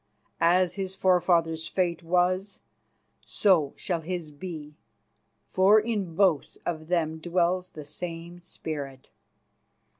As his forefather's fate was, so shall his be, for in both of them dwells the same spirit.